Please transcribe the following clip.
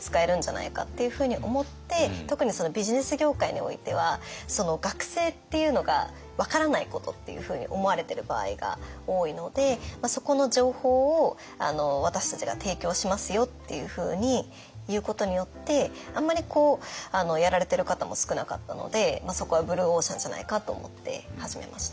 特にビジネス業界においては学生っていうのが分からないことっていうふうに思われてる場合が多いのでそこの情報を私たちが提供しますよっていうふうに言うことによってあんまりやられてる方も少なかったのでそこはブルーオーシャンじゃないかと思って始めました。